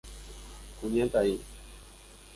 Kuñataĩ.